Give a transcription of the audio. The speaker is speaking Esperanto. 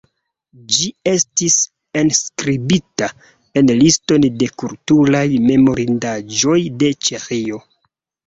Ĝi estis enskribita en Liston de kulturaj memorindaĵoj de Ĉeĥio.